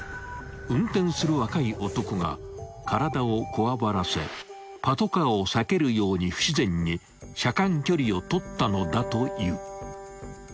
［運転する若い男が体をこわばらせパトカーを避けるように不自然に車間距離を取ったのだという］